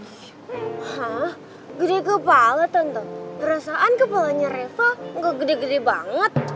hah gede kepala tentu perasaan kepalanya reva nggak gede gede banget